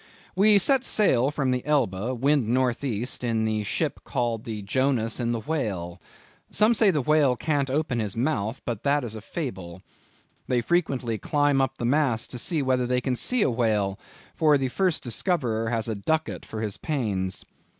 "We set sail from the Elbe, wind N.E. in the ship called The Jonas in the Whale.... Some say the whale can't open his mouth, but that is a fable.... They frequently climb up the masts to see whether they can see a whale, for the first discoverer has a ducat for his pains....